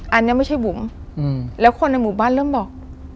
อันนี้ไม่ใช่บุ๋มแล้วคนในหมู่บ้านเริ่มบอก